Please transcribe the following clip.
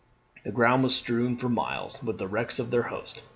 The ground was strewn for miles with the wrecks of their host.